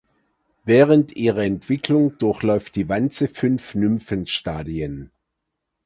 Während ihrer Entwicklung durchläuft die Wanze fünf Nymphenstadien.